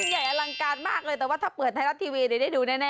ใหญ่อลังการมากเลยแต่ว่าถ้าเปิดไทยรัฐทีวีเดี๋ยวได้ดูแน่